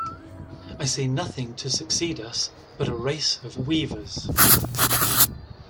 I see nothing to succeed us but a race of weavers.